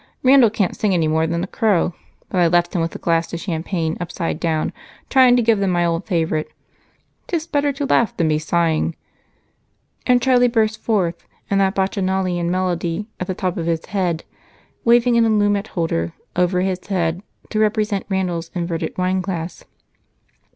Randal can't sing any more than a crow, but I left him with a glass of champagne upside down, trying to give them my old favorite: "'Tis better to laugh than be sighing," and Charlie burst forth in that bacchanalian melody at the top of his voice, waving an allumette holder over his head to represent Randal's inverted wineglass.